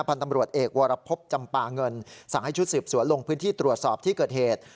พันธ์ตำรวจเอกวรพบจำปาเงินสั่งให้ชุดสืบสวนลงพื้นที่ตรวจสอบที่เกิดเหตุ